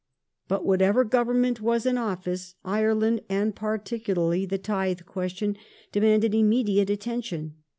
But whatever Government was in office, Ireland, and particularly the Ti the^^uestion , demanded immediate attention.